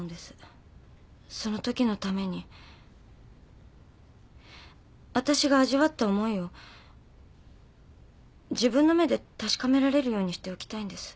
そのときのためにわたしが味わった思いを自分の目で確かめられるようにしておきたいんです。